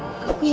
apa yang terjadi